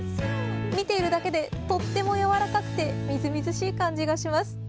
見ているだけでとっても軟らかくてみずみずしい感じがします。